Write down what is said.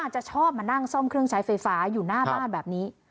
จะชอบมานั่งซ่อมเครื่องใช้ไฟฟ้าอยู่หน้าบ้านแบบนี้